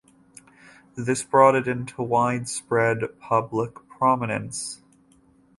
This brought it into widespread public prominence.